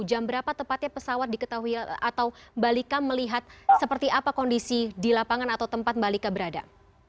jam berapa tepatnya pesawat diketahui atau mbak lika melihat seperti apa kondisi di lapangan atau tempat mbak lika berada